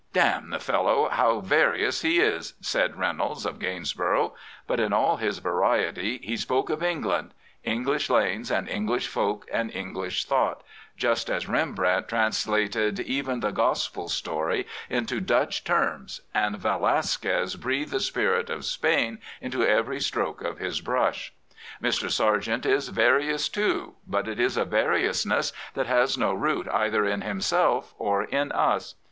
" D — the fellow, how various he is! '' said Reynolds of Gainsborough; but in all his variety he spoke of England — English lanes and English folk and English thought — just as Rembrandt translated even the Gospel story into Dutch terms and Velasquez breathed the spirit of Spain into every stroke of his bmsh. Mr. Sargent is various too, but it is a variousness that has no root either in himself or in us.